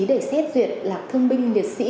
để xét duyệt là thương binh liệt sĩ